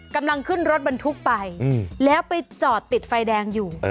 กำลังขึ้นรถบรรทุกไปแล้วไปจอดติดไฟแดงอยู่